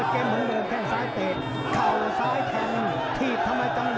เกมบังเวิร์นแข่งซ้ายเตะเข้าซ้ายแข่งทีดทำไมจังหวะ